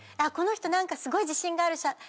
この人何かすごい自信がある。